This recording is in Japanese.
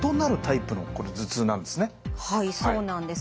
はいそうなんです。